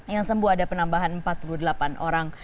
yang sembuh ada penambahan empat puluh delapan orang